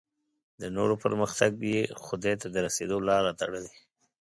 د نورو پر مخ یې خدای ته د رسېدو لاره تړلې.